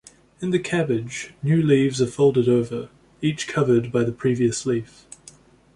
In the cabbage, new leaves are folded over, each covered by the previous leaf.